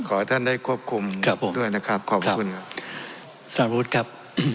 ขอให้ท่านได้ควบคุมด้วยนะครับขอบคุณครับครับสำหรับพุทธครับ